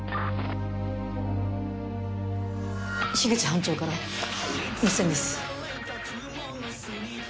口班長から無線です。